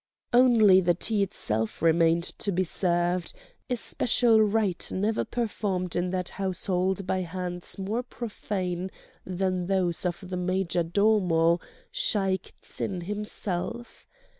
Only the tea itself remained to be served, a special rite never performed in that household by hands more profane than those of the major domo, Shaik Tsin himself.